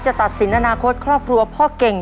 ตัดสินอนาคตครอบครัวพ่อเก่ง